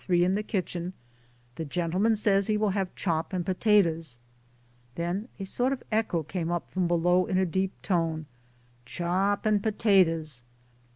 3 in the kitchen " The gentleman says he will have chop and potatoes." Then a sort of echo came up from below in a deep tone " Chop and potatoes."